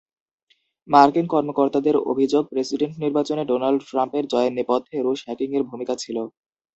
মার্কিন কর্মকর্তাদের অভিযোগ, প্রেসিডেন্ট নির্বাচনে ডোনাল্ড ট্রাম্পের জয়ের নেপথ্যে রুশ হ্যাকিংয়ের ভূমিকা ছিল।